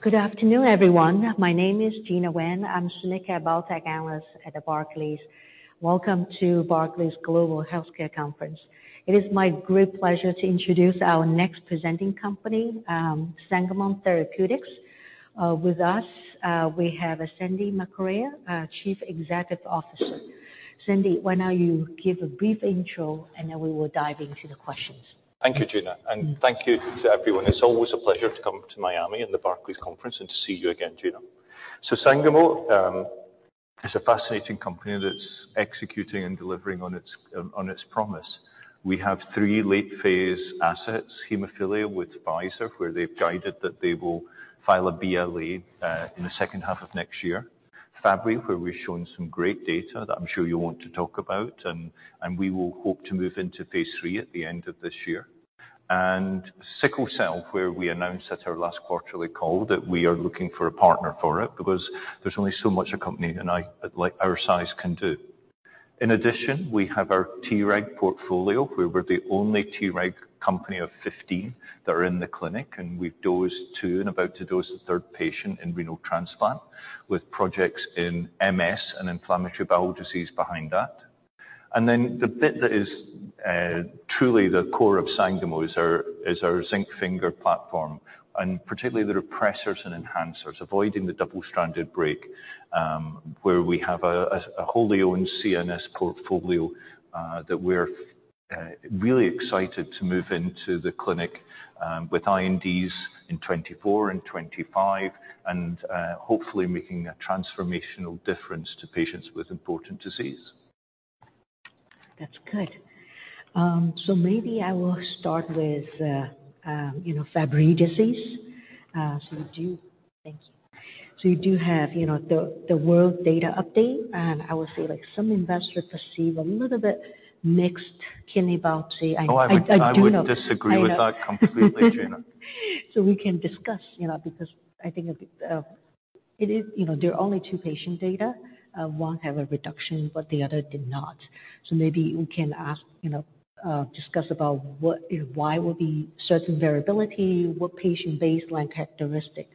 Good afternoon, everyone. My name is Gena Wang. I'm senior biotech analyst at Barclays. Welcome to Barclays Global Healthcare Conference. It is my great pleasure to introduce our next presenting company, Sangamo Therapeutics. With us, we have Sandy Macrae, our Chief Executive Officer. Sandy, why now you give a brief intro, and then we will dive into the questions. Thank you, Gena, and thank you to everyone. It's always a pleasure to come to Miami and the Barclays Conference and to see you again, Gena. Sangamo is a fascinating company that's executing and delivering on its promise. We have three late-phase assets. Hemophilia with Pfizer, where they've guided that they will file a BLA in the second half of next year. Fabry, where we've shown some great data that I'm sure you want to talk about, and we will hope to move into phase 3 at the end of this year. Sickle cell, where we announced at our last quarterly call that we are looking for a partner for it because there's only so much a company like our size can do. In addition, we have our Treg portfolio, where we're the only Treg company of 15 that are in the clinic, and we've dosed two and about to dose a third patient in renal transplant with projects in MS and inflammatory bowel disease behind that. The bit that is truly the core of Sangamo is our zinc finger platform, and particularly the repressors and enhancers avoiding the double-stranded break, where we have a wholly owned CNS portfolio that we're really excited to move into the clinic, with INDs in 2024 and 2025 and hopefully making a transformational difference to patients with important disease. That's good. Maybe I will start with, you know, Fabry disease. Thank you. You do have, you know, the world data update, and I would say like some investors perceive a little bit mixed kidney biopsy. I do know. Oh, I would disagree with that completely, Gena. We can discuss, you know, because I think a bit. You know, there are only two patient data. One have a reduction, but the other did not. Maybe we can ask, you know, discuss about what and why would be certain variability, what patient baseline characteristics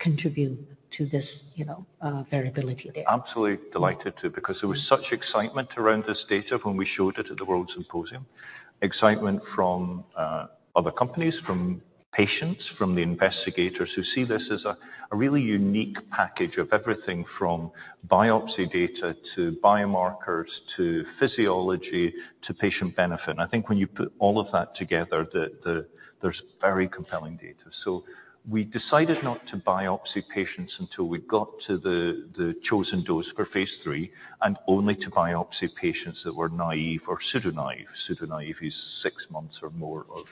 contribute to this, you know, variability there. Absolutely delighted to because there was such excitement around this data when we showed it at the WORLDSymposium. Excitement from other companies, from patients, from the investigators who see this as a really unique package of everything from biopsy data, to biomarkers, to physiology, to patient benefit. I think when you put all of that together, there's very compelling data. We decided not to biopsy patients until we got to the chosen dose for phase 3 and only to biopsy patients that were naive or pseudo-naive. Pseudo-naive is six months or more of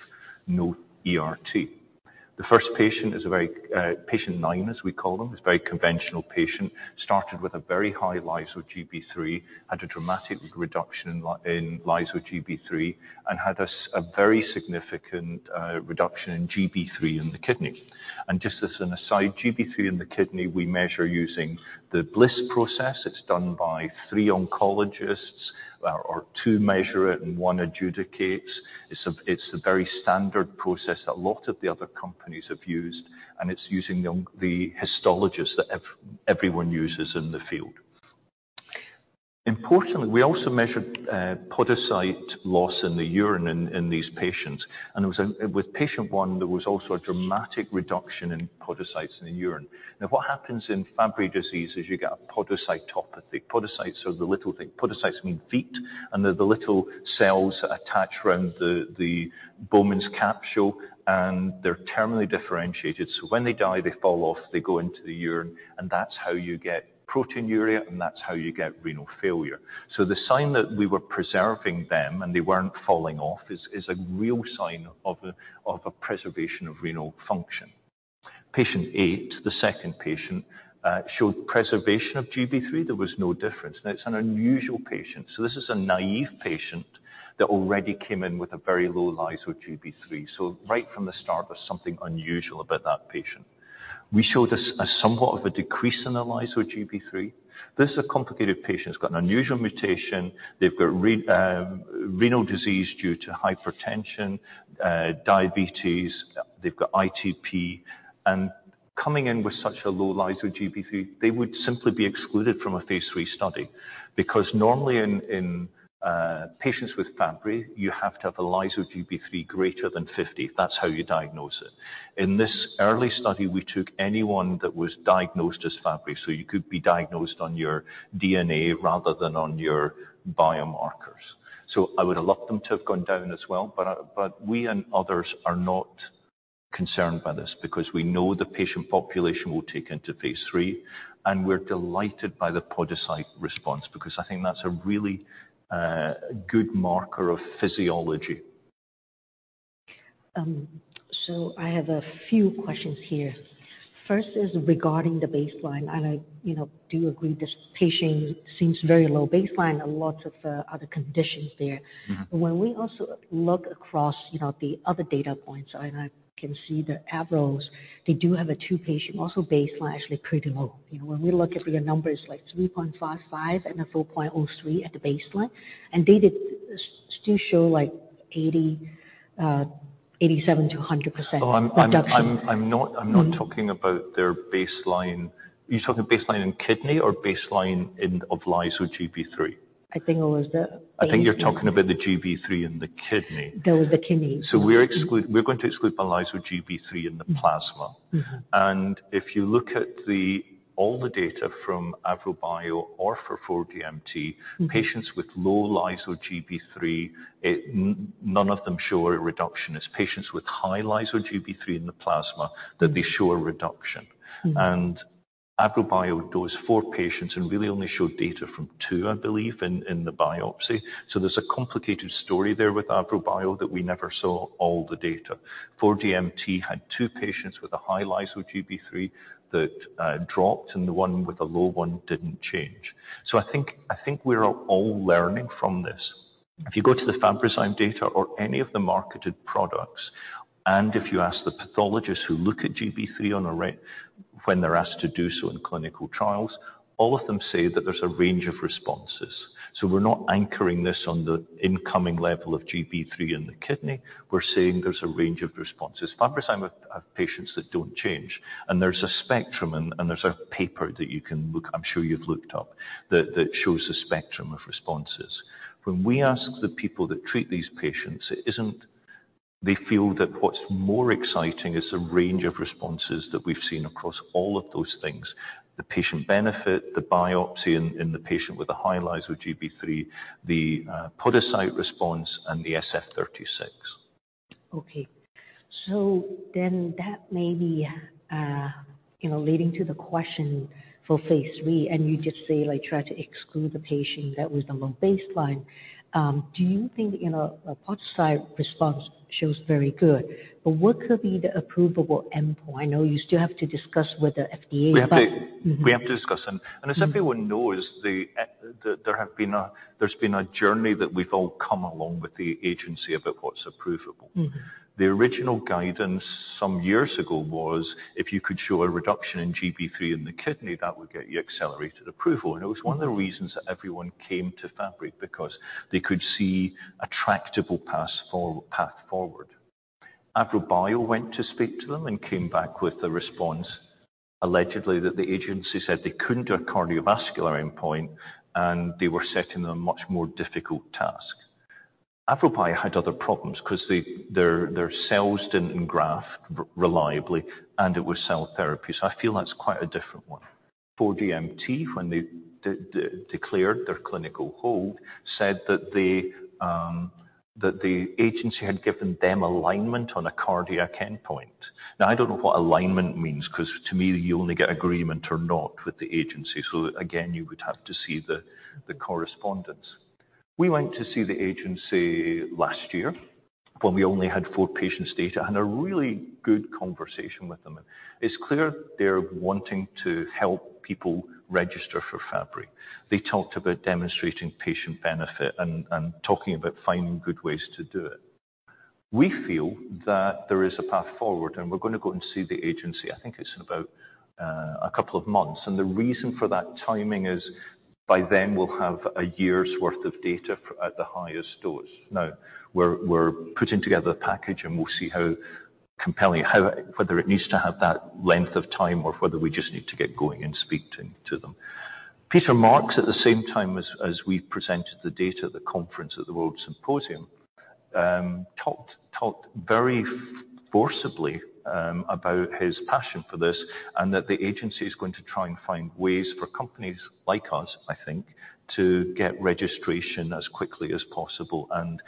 no ERT. The first patient is a very, patient nine, as we call them, is a very conventional patient. Started with a very high lyso-Gb3, had a dramatic reduction in lyso-Gb3 and had us a very significant reduction in Gb3 in the kidney. Just as an aside, Gb3 in the kidney we measure using the BLISS process. It's done by three oncologists or two measure it and one adjudicates. It's a very standard process that a lot of the other companies have used, and it's using the histologist that everyone uses in the field. Importantly, we also measured podocyte loss in the urine in these patients. With patient one, there was also a dramatic reduction in podocytes in the urine. What happens in Fabry disease is you get podocytopathy. Podocytes are the little thing. Podocytes mean feet. They're the little cells that attach around the Bowman's capsule. They're terminally differentiated. When they die, they fall off, they go into the urine. That's how you get proteinuria. That's how you get renal failure. The sign that we were preserving them and they weren't falling off is a real sign of a preservation of renal function. Patient eight, the second patient, showed preservation of Gb3. There was no difference. It's an unusual patient. This is a naive patient that already came in with a very low lyso-Gb3. Right from the start, there's something unusual about that patient. We showed a somewhat of a decrease in the lyso-Gb3. This is a complicated patient. He's got an unusual mutation. They've got renal disease due to hypertension, diabetes. They've got ITP. Coming in with such a low lyso-Gb3, they would simply be excluded from a phase 3 study. Normally in patients with Fabry, you have to have a lyso-Gb3 greater than 50. That's how you diagnose it. In this early study, we took anyone that was diagnosed as Fabry, so you could be diagnosed on your DNA rather than on your biomarkers. I would have loved them to have gone down as well, but we and others are not concerned by this because we know the patient population will take into phase 3, and we're delighted by the podocyte response because I think that's a really good marker of physiology. I have a few questions here. First is regarding the baseline. I, you know, do agree this patient seems very low baseline, a lot of other conditions there. Mm-hmm. When we also look across, you know, the other data points, and I can see the AVROBIO, they do have a two patient also baseline actually pretty low. You know, when we look at their numbers like 3.55 and a 4.03 at the baseline, and data still show like 80, 87%-100% reduction. I'm not talking about their baseline. Are you talking baseline in kidney or baseline of lyso-Gb3? I think it was the kidney. I think you're talking about the Gb3 in the kidney. That was the kidney. We're going to exclude the lyso-Gb3 in the plasma. Mm-hmm. If you look at all the data from AVROBIO or for 4DMT. Mm-hmm. Patients with low lyso-Gb3 it none of them show a reduction. It's patients with high lyso-Gb3 in the plasma that they show a reduction. Mm-hmm. AVROBIO dosed four patients and really only showed data from two, I believe, in the biopsy. There's a complicated story there with AVROBIO that we never saw all the data. 4DMT had two patients with a high lyso-Gb3 that dropped, and the one with a low one didn't change. I think we're all learning from this. If you go to the Fabrazyme data or any of the marketed products, and if you ask the pathologists who look at Gb3 when they're asked to do so in clinical trials, all of them say that there's a range of responses. We're not anchoring this on the incoming level of Gb3 in the kidney. We're saying there's a range of responses. Fabrazyme have patients that don't change. There's a spectrum and there's a paper that I'm sure you've looked up that shows the spectrum of responses. When we ask the people that treat these patients, they feel that what's more exciting is the range of responses that we've seen across all of those things. The patient benefit, the biopsy in the patient with a high lyso-Gb3, the podocyte response and the SF-36. Okay. That may be, you know, leading to the question for phase III, and you just say, like, try to exclude the patient that was the low baseline. Do you think, you know, a podocyte response shows very good, but what could be the approvable endpoint? I know you still have to discuss with the FDA. We have to discuss. As everyone knows, there's been a journey that we've all come along with the agency about what's approvable. Mm-hmm. The original guidance some years ago was if you could show a reduction in Gb3 in the kidney, that would get you accelerated approval. It was one of the reasons that everyone came to Fabry because they could see a tractable path forward. AVROBIO went to speak to them and came back with the response allegedly that the agency said they couldn't do a cardiovascular endpoint, and they were setting them a much more difficult task. AVROBIO had other problems 'cause they, their cells didn't engraft reliably, and it was cell therapy. I feel that's quite a different one. 4DMT, when they declared their clinical hold, said that the agency had given them alignment on a cardiac endpoint. Now, I don't know what alignment means, 'cause to me you only get agreement or not with the agency. Again, you would have to see the correspondence. We went to see the agency last year when we only had four patients' data and a really good conversation with them. It's clear they're wanting to help people register for Fabry. They talked about demonstrating patient benefit and talking about finding good ways to do it. We feel that there is a path forward, and we're gonna go and see the agency. I think it's in about a couple of months. The reason for that timing is by then we'll have a year's worth of data at the highest dose. Now we're putting together a package, and we'll see how compelling whether it needs to have that length of time or whether we just need to get going and speak to them. Peter Marks, at the same time as we presented the data at the conference at the WORLDSymposium, talked very forcibly about his passion for this and that the agency is going to try and find ways for companies like us, I think, to get registration as quickly as possible and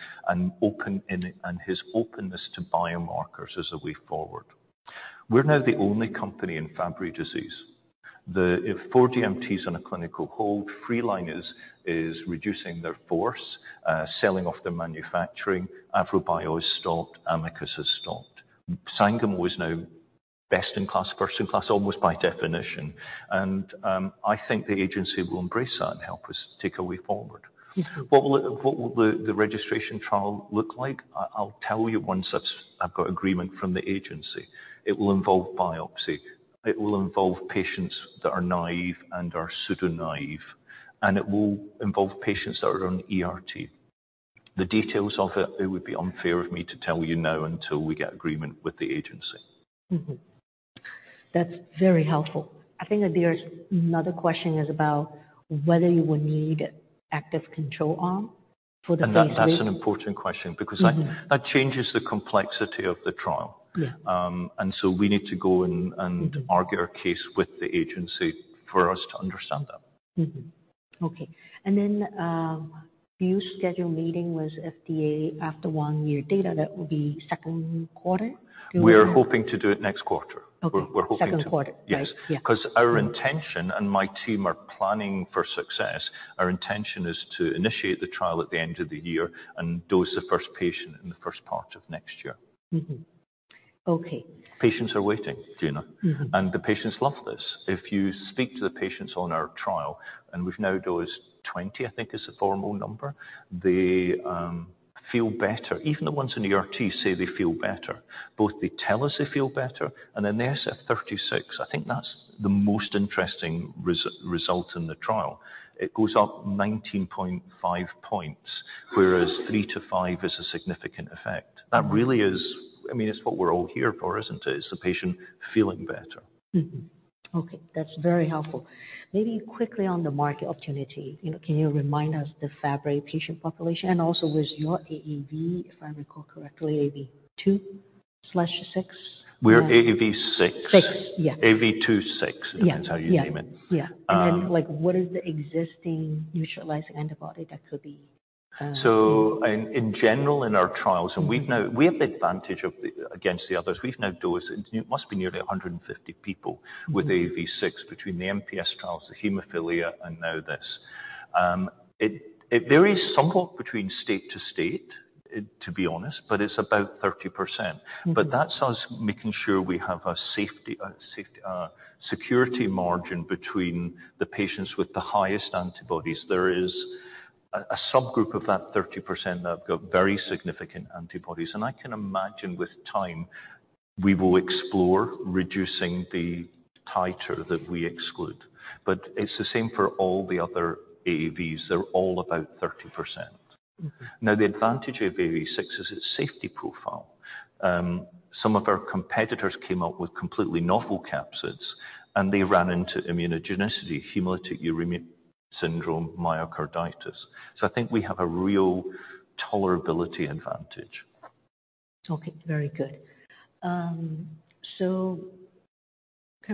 his openness to biomarkers as a way forward. We're now the only company in Fabry disease. The 4DMT's on a clinical hold. Freeline is reducing their force, selling off their manufacturing. AVROBIO has stopped. Amicus has stopped. Sangamo is now best in class, first in class, almost by definition. I think the agency will embrace that and help us take a way forward. Mm-hmm. What will the registration trial look like? I'll tell you once I've got agreement from the agency. It will involve biopsy. It will involve patients that are naive and are pseudo-naive, and it will involve patients that are on ERT. The details of it would be unfair of me to tell you now until we get agreement with the agency. Mm-hmm. That's very helpful. I think that there's another question is about whether you will need active control arm for the phase 3. that's an important question because. Mm-hmm. That changes the complexity of the trial. Yeah. We need to go and. Mm-hmm. Argue our case with the agency for us to understand that. Mm-hmm. Okay. Then, do you schedule meeting with FDA after one year data? That will be second quarter? We're hoping to do it next quarter. Okay. We're hoping to. Second quarter. Yes. Right. Yeah. 'Cause our intention, and my team are planning for success, our intention is to initiate the trial at the end of the year and dose the first patient in the first part of next year. Mm-hmm. Okay. Patients are waiting, Gena. Mm-hmm. The patients love this. If you speak to the patients on our trial, and we've now dosed 20, I think is the formal number. They feel better. Even the ones in ERT say they feel better. Both they tell us they feel better and in their SF-36, I think that's the most interesting result in the trial. It goes up 19.5 points, whereas 3-5 is a significant effect. Mm-hmm. That really is... I mean, it's what we're all here for, isn't it? It's the patient feeling better. Okay, that's very helpful. Maybe quickly on the market opportunity. You know, can you remind us the Fabry patient population, and also was your AAV, if I recall correctly, AAV2/6? We're AAV6. Six, yeah. AAV26, depends how you name it. Yeah. Yeah. Yeah. Um- like, what is the existing neutralizing antibody that could be. In general, in our. Mm-hmm. We have the advantage against the others. We've now dosed, it must be nearly 150 people. Mm-hmm. With AAV6 between the MPS trials, the hemophilia, and now this. It varies somewhat between state to state, to be honest, but it's about 30%. Mm-hmm. That's us making sure we have a safety, a security margin between the patients with the highest antibodies. There is a subgroup of that 30% that have got very significant antibodies. I can imagine with time, we will explore reducing the titer that we exclude. It's the same for all the other AAVs. They're all about 30%. Mm-hmm. Now, the advantage of AAV6 is its safety profile. Some of our competitors came up with completely novel capsids, and they ran into immunogenicity, hemolytic uremic syndrome, myocarditis. I think we have a real tolerability advantage. Okay, very good. kind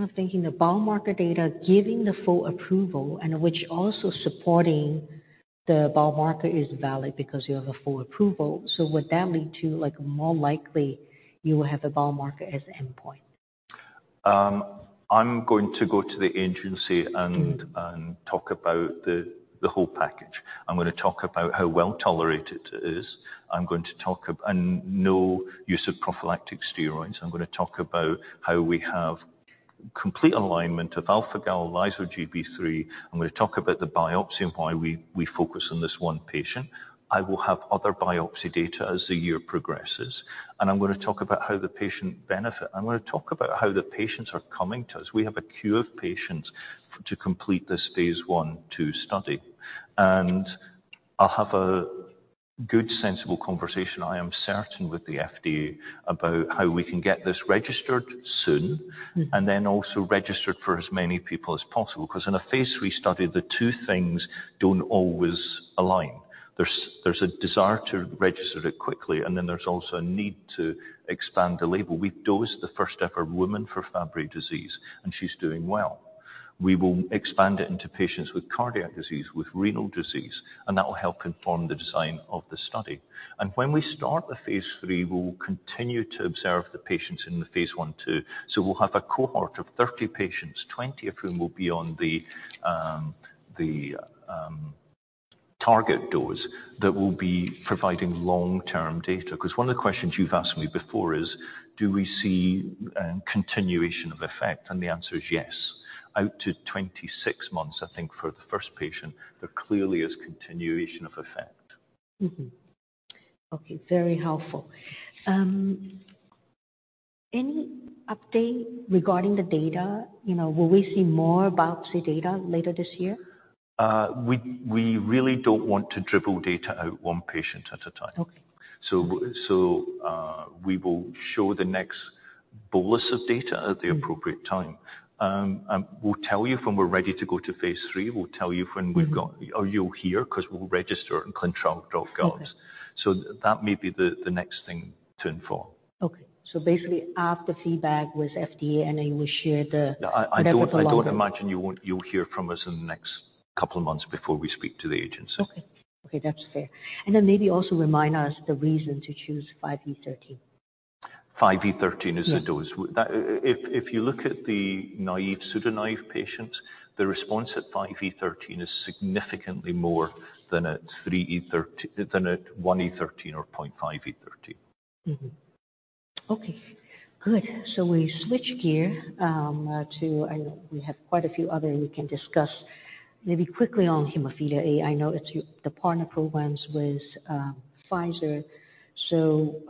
of thinking the biomarker data giving the full approval and which also supporting the biomarker is valid because you have a full approval. Would that lead to, like, more likely you will have a biomarker as endpoint? I'm going to go to the agency. Mm. Talk about the whole package. I'm gonna talk about how well-tolerated it is. No use of prophylactic steroids. I'm gonna talk about how we have complete alignment of alpha-Gal A, lyso-Gb3. I'm gonna talk about the biopsy and why we focus on this one patient. I will have other biopsy data as the year progresses. I'm gonna talk about how the patient benefit. I'm gonna talk about how the patients are coming to us. We have a queue of patients to complete this phase 1 to study. I'll have a good, sensible conversation, I am certain, with the FDA about how we can get this registered soon. Mm. Then also registered for as many people as possible. Because in a phase 3 study, the two things don't always align. There's a desire to register it quickly, there's also a need to expand the label. We've dosed the first-ever woman for Fabry disease, she's doing well. We will expand it into patients with cardiac disease, with renal disease, that will help inform the design of the study. When we start the phase 3, we will continue to observe the patients in the phase 1, 2. We'll have a cohort of 30 patients, 20 of whom will be on the target dose that will be providing long-term data. Because one of the questions you've asked me before is, do we see continuation of effect? The answer is yes. Out to 26 months, I think, for the first patient, there clearly is continuation of effect. Okay, very helpful. Any update regarding the data? You know, will we see more biopsy data later this year? We really don't want to dribble data out one patient at a time. Okay. We will show the next bolus of data. Mm. At the appropriate time. We'll tell you when we're ready to go to phase three. We'll tell you when. Mm-hmm. You'll hear 'cause we'll register on ClinicalTrials.gov. Okay. That may be the next thing to inform. Okay. Basically after feedback with FDA, then you will share the- I. Data for longer. You'll hear from us in the next couple of months before we speak to the agency. Okay. Okay, that's fair. Maybe also remind us the reason to choose 5-E13. 5-E13 as a dose. Yes. With that. If you look at the naive, pseudo-naive patients, the response at 5-E13 is significantly more than at 3-E13. Than at 1-E13 or 0.5e13. Mm-hmm. Okay, good. We switch gear. I know we have quite a few other we can discuss. Maybe quickly on hemophilia A. I know it's the partner programs with Pfizer. you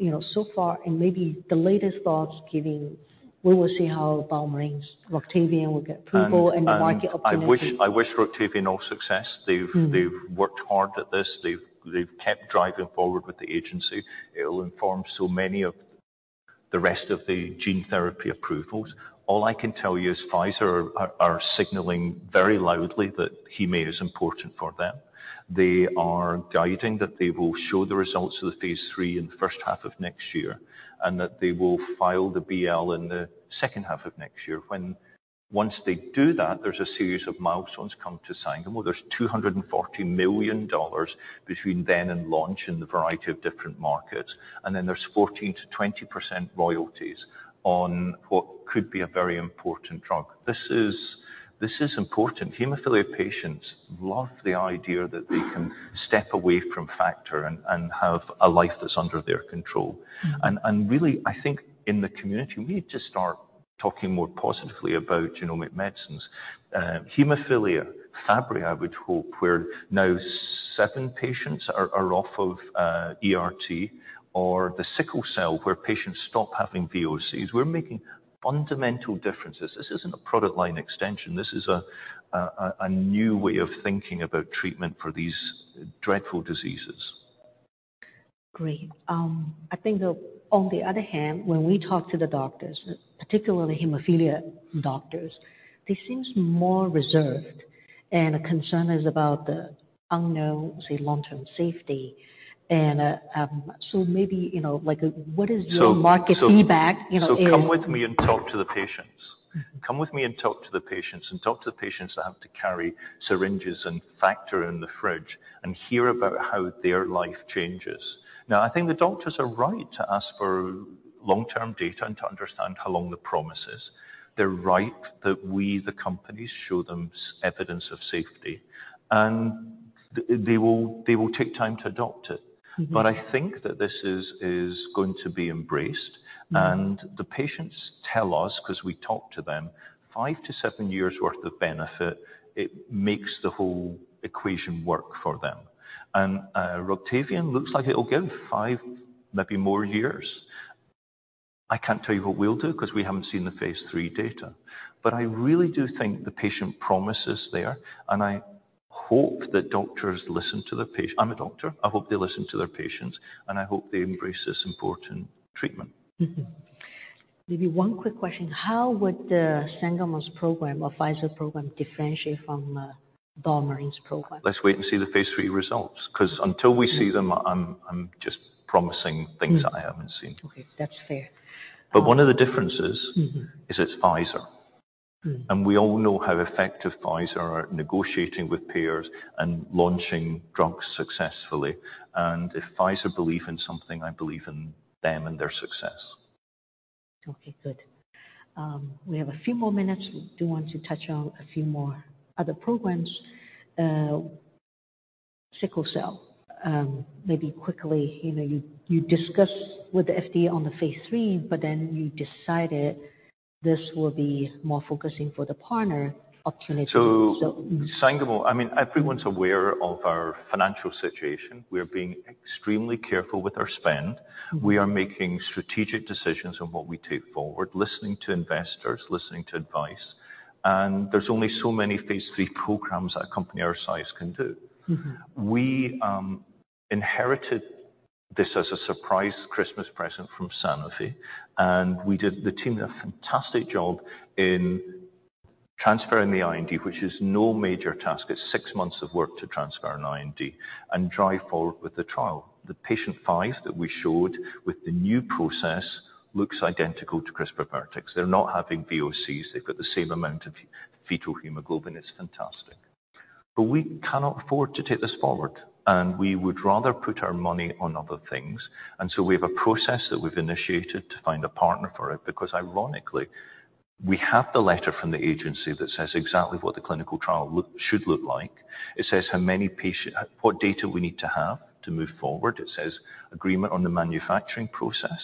know, so far and maybe the latest thoughts giving. We will see how BioMarin's Roctavian will get approval and the market opportunity. I wish Roctavian all success. Mm. They've worked hard at this. They've kept driving forward with the agency. It'll inform so many of the rest of the gene therapy approvals. All I can tell you is Pfizer are signaling very loudly that hemophilia is important for them. They are guiding that they will show the results of the phase 3 in the first half of next year, and that they will file the BL in the second half of next year. Once they do that, there's a series of milestones come to Sangamo. There's $240 million between then and launch in the variety of different markets. There's 14%-20% royalties on what could be a very important drug. This is important. Hemophilia patients love the idea that they can step away from factor and have a life that's under their control. Mm. really, I think in the community, we need to start talking more positively about genomic medicines. hemophilia, Fabry, I would hope, where now seven patients are off of ERT or the sickle cell, where patients stop having VOCs. We're making fundamental differences. This isn't a product line extension. This is a new way of thinking about treatment for these dreadful diseases. Great. I think on the other hand, when we talk to the doctors, particularly hemophilia doctors, they seems more reserved and concerned about the unknown, say, long-term safety. So maybe, you know, like, what is your market feedback, you know, Come with me and talk to the patients. Come with me and talk to the patients and talk to the patients that have to carry syringes and factor in the fridge and hear about how their life changes. I think the doctors are right to ask for long-term data and to understand how long the promise is. They're right that we, the companies, show them evidence of safety, and they will take time to adopt it. Mm-hmm. I think that this is going to be embraced. Mm. The patients tell us because we talk to them, five to seven years worth of benefit, it makes the whole equation work for them. Roctavian looks like it'll give five, maybe more years. I can't tell you what we'll do because we haven't seen the phase three data. I really do think the patient promise is there, and I hope that doctors listen to their patients. I'm a doctor, I hope they listen to their patients, and I hope they embrace this important treatment. Mm-hmm. Maybe one quick question. How would the Sangamo's program or Pfizer program differentiate from BioMarin's program? Let's wait and see the phase 3 results. 'Cause until we see them, I'm just promising things that I haven't seen. Okay, that's fair. one of the differences- Mm-hmm. -is it's Pfizer. Mm. We all know how effective Pfizer are at negotiating with payers and launching drugs successfully. If Pfizer believe in something, I believe in them and their success. Okay, good. We have a few more minutes. We do want to touch on a few more other programs. sickle cell, maybe quickly, you know, you discuss with the FDA on the phase 3, but then you decided this will be more focusing for the partner opportunity. Sangamo, I mean, everyone's aware of our financial situation. We're being extremely careful with our spend. Mm-hmm. We are making strategic decisions on what we take forward, listening to investors, listening to advice. There's only so many phase 3 programs that a company our size can do. Mm-hmm. We inherited this as a surprise Christmas present from Sanofi. The team did a fantastic job in transferring the IND, which is no major task. It's six months of work to transfer an IND and drive forward with the trial. The patient files that we showed with the new process looks identical to CRISPR Vertex. They're not having VOCs. They've got the same amount of fetal hemoglobin. It's fantastic. We cannot afford to take this forward, and we would rather put our money on other things. We have a process that we've initiated to find a partner for it, because ironically, we have the letter from the agency that says exactly what the clinical trial should look like. It says how many patients. What data we need to have to move forward. It says agreement on the manufacturing process.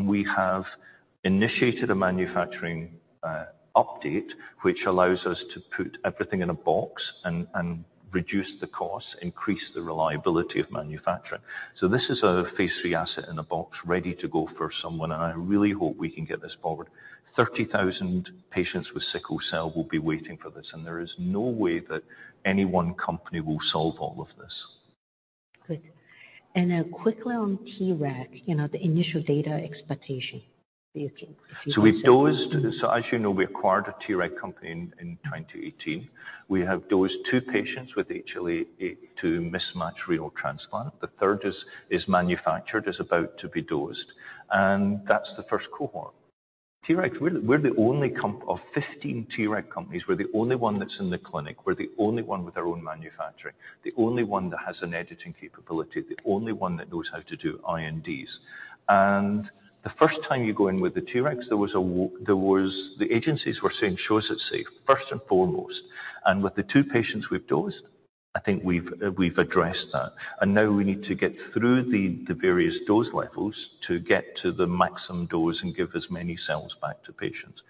We have initiated a manufacturing, update which allows us to put everything in a box and reduce the cost, increase the reliability of manufacturing. This is a phase 3 asset in a box ready to go for someone, and I really hope we can get this forward. 30,000 patients with sickle cell will be waiting for this, and there is no way that any one company will solve all of this. Good. Quickly on Treg, you know, the initial data expectation, do you think? A few questions. We've dosed. As you know, we acquired a Treg company in 2018. We have dosed two patients with HLA-A2 mismatched renal transplant. The third is manufactured, is about to be dosed. That's the first cohort. Treg. We're the only company of 15 Treg companies, we're the only one that's in the clinic. We're the only one with our own manufacturing, the only one that has an editing capability, the only one that knows how to do INDs. The first time you go in with the Tregs, there was. The agencies were saying, "Show us it's safe, first and foremost." With the two patients we've dosed, I think we've addressed that. Now we need to get through the various dose levels to get to the maximum dose and give as many cells back to patients.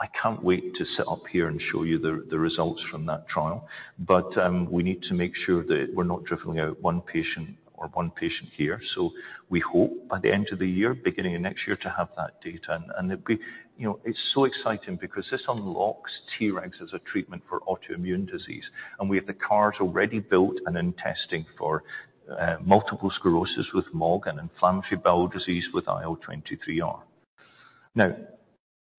I can't wait to sit up here and show you the results from that trial. We need to make sure that we're not dribbling out one patient or one patient here. We hope by the end of the year, beginning of next year, to have that data. You know, it's so exciting because this unlocks TREGs as a treatment for autoimmune disease. We have the CARs already built and in testing for multiple sclerosis with MOG and inflammatory bowel disease with IL-23R.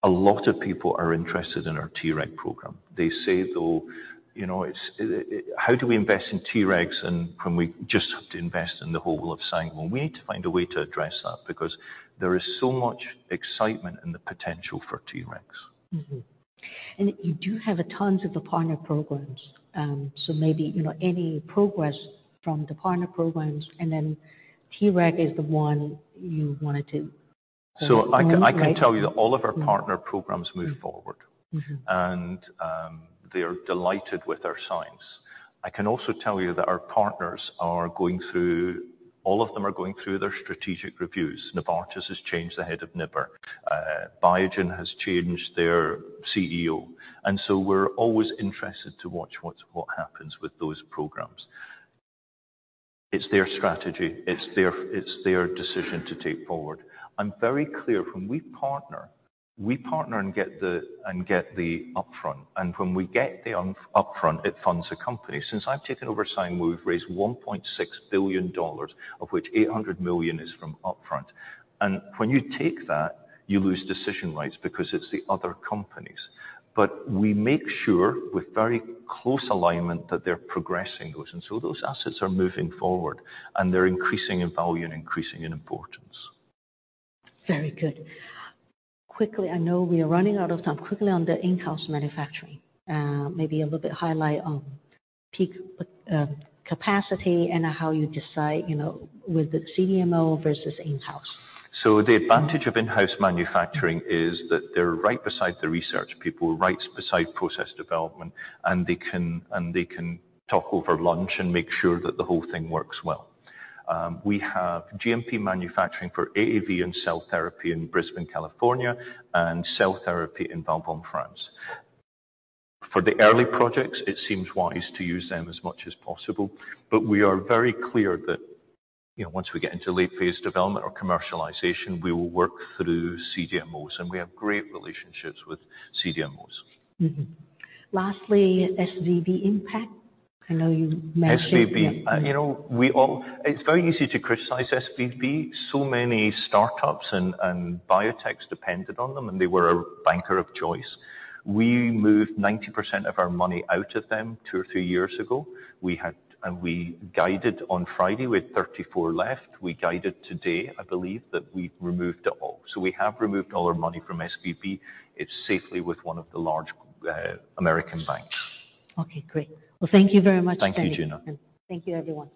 A lot of people are interested in our TREG program. They say, though, you know, it's... How do we invest in Tregs and when we just have to invest in the whole of Sangamo? We need to find a way to address that because there is so much excitement in the potential for Tregs. You do have tons of the partner programs. Maybe, you know, any progress from the partner programs, TREG is the one you wanted to move, right? I can tell you that all of our partner programs move forward. Mm-hmm. They're delighted with our science. I can also tell you that our partners are going through. All of them are going through their strategic reviews. Novartis has changed the head of NIBR. Biogen has changed their CEO. We're always interested to watch what happens with those programs. It's their strategy. It's their decision to take forward. I'm very clear, when we partner, we partner and get the upfront. When we get the up-upfront, it funds the company. Since I've taken over Sangamo, we've raised $1.6 billion, of which $800 million is from upfront. When you take that, you lose decision rights because it's the other companies. We make sure, with very close alignment, that they're progressing those. Those assets are moving forward, and they're increasing in value and increasing in importance. Very good. Quickly, I know we are running out of time. Quickly on the in-house manufacturing. Maybe a little bit highlight on peak capacity and how you decide, you know, with the CDMO versus in-house. The advantage of in-house manufacturing is that they're right beside the research people, right beside process development, and they can talk over lunch and make sure that the whole thing works well. We have GMP manufacturing for AAV and cell therapy in Brisbane, California, and cell therapy in Valbonne, France. For the early projects, it seems wise to use them as much as possible. We are very clear that, you know, once we get into late phase development or commercialization, we will work through CDMOs, and we have great relationships with CDMOs. Lastly, SVB impact. I know you mentioned. SVB. You know, it's very easy to criticize SVB. Many startups and biotechs depended on them, and they were our banker of choice. We moved 90% of our money out of them two or three years ago. We guided on Friday. We had 34 left. We guided today, I believe, that we've removed it all. We have removed all our money from SVB. It's safely with one of the large American banks. Okay, great. Well, thank you very much, Sandy. Thank you, Gena. Thank you, everyone.